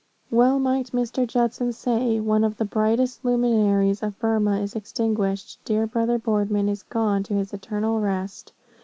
Well might Mr. Judson say, "One of the brightest luminaries of Burmah is extinguished, dear brother Boardman is gone to his eternal rest.